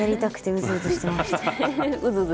うずうずしてました。